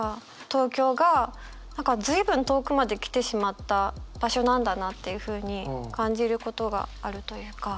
東京が随分遠くまで来てしまった場所なんだなっていうふうに感じることがあるというか。